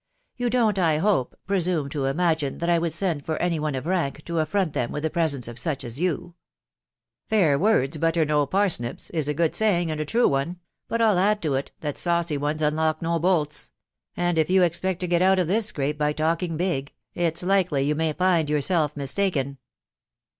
" You don't, I hope, presume to imagine that I would send for any one of rank to affront them with the presence of such as ?»» m " Fair words butter no parsnips, is a good saying and a true one ;•..• but I'll add to it, that saucy ones unlock no bolts ; and if you expect to get out of this scrape by talking big, it's likely you my find yourself mistaken.